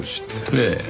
ええ。